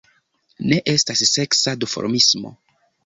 Ne estas seksa duformismo.